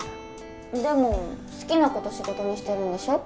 でも好きなこと仕事にしてるんでしょ？